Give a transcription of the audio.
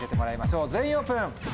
全員オープン！